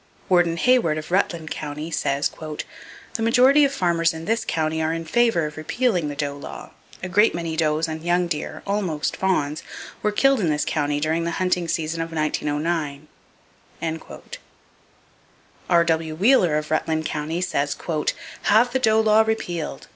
Warden Hayward of Rutland County says: "The majority of the farmers in this county are in favor of repealing the doe law.... A great many does and young deer (almost fawns) were killed in this county during the hunting season of 1909." R.W. Wheeler, of Rutland County says: "Have the doe law repealed!